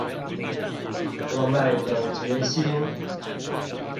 我們有決心